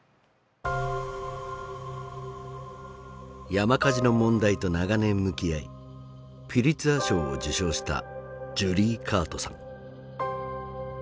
山火事の問題と長年向き合いピュリツァー賞を受賞したジュリー・カートさん。